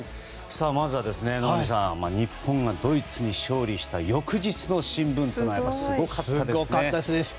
まずは野上さん日本がドイツに勝利した翌日の新聞はすごかったですね。